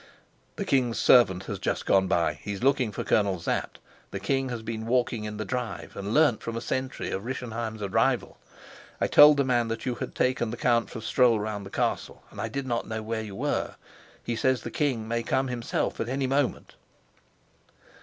"The king's servant has just gone by. He's looking for Colonel Sapt. The King has been walking in the drive, and learnt from a sentry of Rischenheim's arrival. I told the man that you had taken the count for a stroll round the castle, and I did not know where you were. He says that the king may come himself at any moment."